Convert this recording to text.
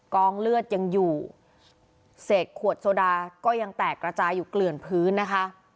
กองเลือดยังอยู่เศษขวดโซดาก็ยังแตกระจายอยู่เกลื่อนพื้นนะคะ